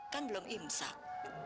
kan belum imsak